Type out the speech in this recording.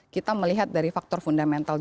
kita melihat dari faktor fundamental